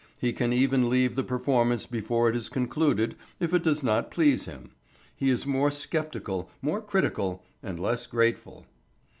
He can even leave the performance before it is concluded if it does not please him. He is more sceptical, more critical, and less grateful.